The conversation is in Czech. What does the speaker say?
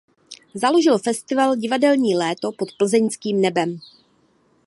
Založil festival Divadelní léto pod plzeňským nebem.